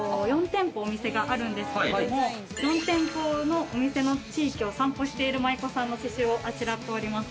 ◆４店舗お店があるんですけども４店舗のお店の地域を散歩している舞子さんの刺しゅうをあしらっております。